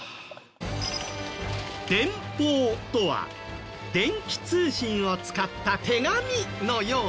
電報とは電気通信を使った手紙のようなもの。